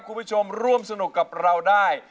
คุณผู้ชมร่วมสนุกกับเราได้